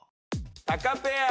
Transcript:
タカペア。